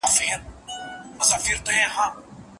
لارښود یوازي د سمي لاري ښودونکی بلل کېږي.